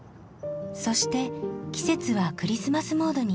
そして季節はクリスマスモードに。